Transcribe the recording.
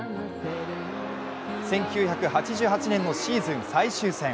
１９８８年のシーズン最終戦。